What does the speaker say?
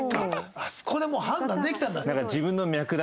あそこでもう判断できたんだ。